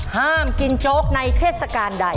ห้ามกินโจ๊กในเทศกาลใด